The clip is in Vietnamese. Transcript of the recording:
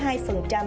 kỹ thuật số này